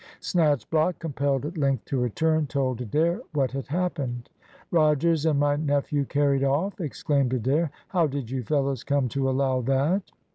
Snatchblock, compelled at length to return, told Adair what had happened. "Rogers and my nephew carried off?" exclaimed Adair. "How did you fellows come to allow that?"